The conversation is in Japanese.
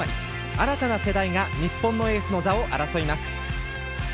新たな世代が日本のエースの座を争います。